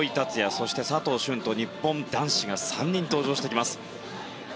そして、佐藤駿と日本男子が３人登場してきます。